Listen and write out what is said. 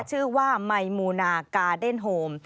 ชื่อว่าไมมูนากาเดนโฮม